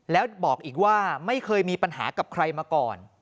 แล้วบอกอีกว่าไม่เคยมีปัญหากับใครมาก่อน